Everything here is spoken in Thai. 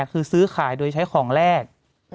คือซื้อขายโดยใช้ของแรก